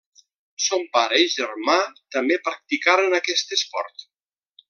Son pare i germà també practicaren aquest esport.